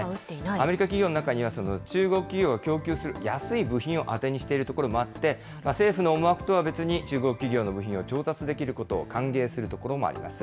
アメリカ企業の中には、中国企業が供給する安い部品を当てにしているところもあって、政府の思惑とは別に、中国企業の部品を調達できることを歓迎するところもあります。